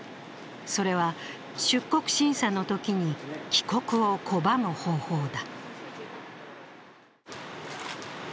それは、出国審査のときに帰国を拒む方法だ。